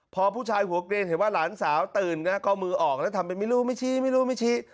พอผู้ชายหัวเกรงเห็นว่าหลานสาวตื่นนะก็มือออกแล้วทำเป็นไม่รู้ไม่ชี้ไม่รู้ไม่ชี้